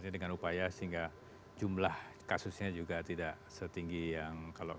dengan upaya sehingga jumlah kasusnya juga tidak setinggi yang kalau